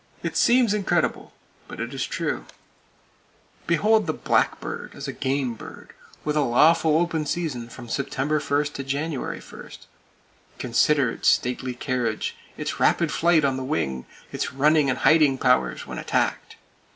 It seems incredible; but it is true. Behold the blackbird as a "game" bird, with a lawful open season from September 1 to January 1. Consider its stately carriage, its rapid flight on the wing, its running and hiding powers when attacked.